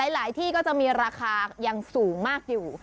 ที่ก็จะมีราคายังสูงมากอยู่